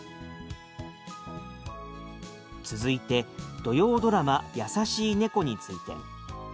続いて土曜ドラマ「やさしい猫」について。